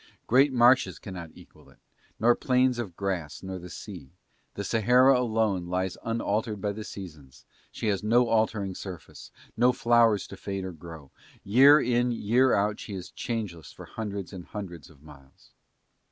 Great marshes cannot equal it, nor plains of grass nor the sea, the Sahara alone lies unaltered by the seasons, she has no altering surface, no flowers to fade or grow, year in year out she is changeless for hundreds and hundreds of miles.